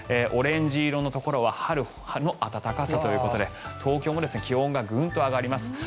オレンジ色のところは春の暖かさということで東京も気温がグンと上がります。